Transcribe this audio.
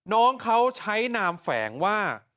น้องเขาใช้นามแฝงว่า